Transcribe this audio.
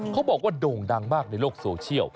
เขาบอกว่าโด่งดังมากในโลกโซเชียล